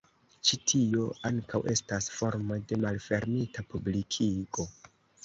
Ĉi tio ankaŭ estas formo de malfermita publikigo.